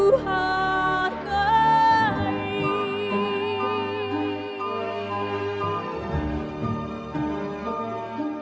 di sana tak ku lupa ke